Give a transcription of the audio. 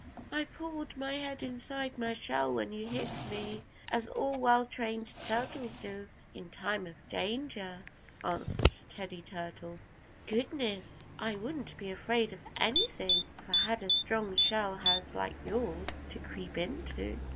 "I pulled my head inside my shell when you hit me, as all well trained turtles do in time of danger," answered Teddy Turtle. "Goodness, I wouldn't be afraid of anything if I had a strong shell house like yours to creep into."